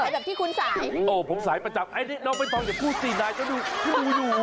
แบบที่คุณสายผมสายประจำไม่ต้องจะพูดสินายผมสวยู